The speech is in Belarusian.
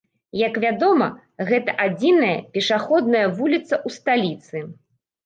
Як вядома, гэта адзіная пешаходная вуліца ў сталіцы.